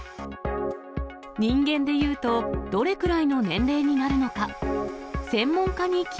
人間でいうとどれくらいの年齢になるのか。